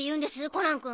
コナン君。